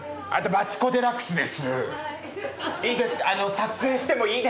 ・マツコ・デラックスです。